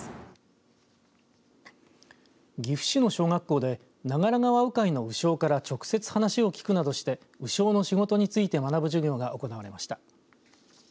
岐阜市の小学校で長良川鵜飼の鵜匠から直接、話を聞くなどして鵜匠の仕事について学ぶ授業が行われました。